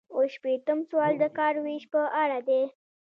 اووه شپیتم سوال د کار ویش په اړه دی.